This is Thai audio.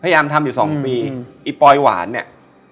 พยายามทำอยู่สองปีไอ้ปลอยหวานเนี่ย